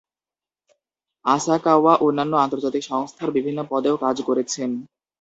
আসাকাওয়া অন্যান্য আন্তর্জাতিক সংস্থার বিভিন্ন পদেও কাজ করেছেন।